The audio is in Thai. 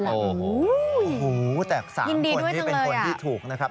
โอ้โหแต่๓คนนี้เป็นคนที่ถูกนะครับ